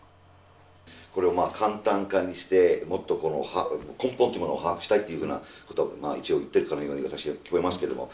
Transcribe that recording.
これを簡単化にしてもっと根本というものを把握したいっていうふうなことを一応言ってるかのように私は聞こえますけども。